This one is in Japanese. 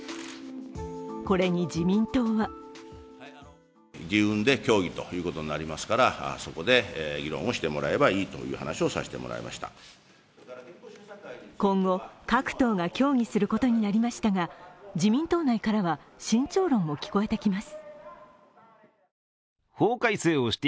これに自民党は今後、各党が協議することになりましたが自民党内からは、慎重論も聞こえてきます。